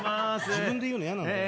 自分で言うの嫌なんだよ